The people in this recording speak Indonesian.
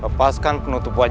lepaskan penutup pistole